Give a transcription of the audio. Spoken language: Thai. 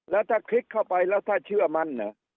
แล้วถ้าคลิกเข้าไปแล้วถ้าเชื่อมั่น